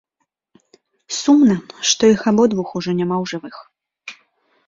Сумна, што іх абодвух ужо няма ў жывых.